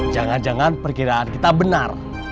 jangan jangan perkiraan kita benar